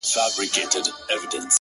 o يو يمه خو ـ